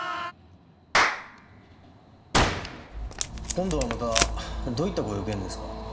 今度はまたどういったご用件ですか？